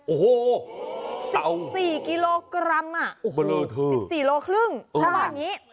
โอ้โฮตาวสิบสี่กิโลกรัมสิบสี่โลครึ่งแล้วแบบนี้